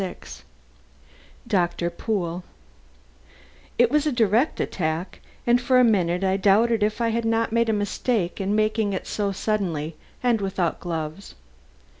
VI DOCTOR POOL It was a direct attack and for a minute I doubted if I had not made a mistake in making it so suddenly and without gloves.